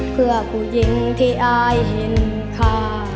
เพื่อผู้หญิงที่อายเห็นค่า